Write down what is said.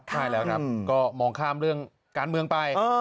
ใช่แล้วครับก็มองข้ามเรื่องการเมืองไป